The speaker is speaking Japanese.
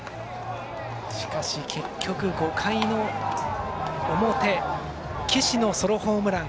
しかし、結局５回の表岸のソロホームラン。